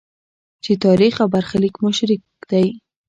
چې تاریخ او برخلیک مو شریک دی.